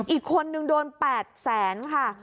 อีกคนนึงโดน๘แสนค่ะ